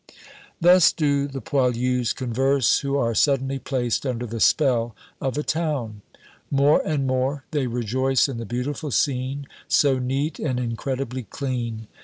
Thus do the poilus converse who are suddenly placed under the spell of a town. More and more they rejoice in the beautiful scene, so neat and incredibly clean.